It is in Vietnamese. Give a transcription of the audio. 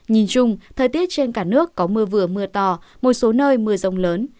nhìn chung thời tiết trên cả nước có mưa vừa mưa to một số nơi mưa rông lớn